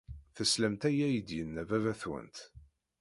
Teslamt ayen ay d-yenna baba-twent.